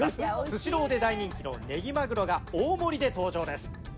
スシローで大人気のねぎまぐろが大盛りで登場です。